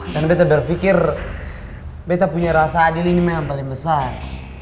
dan betta berpikir betta punya rasa adil ini memang yang paling besar